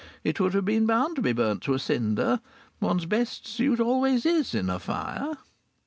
It would have been bound to be burnt to a cinder. One's best suit always is in a fire."